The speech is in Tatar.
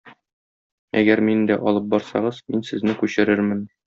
Әгәр мине дә алып барсагыз, мин сезне күчерермен.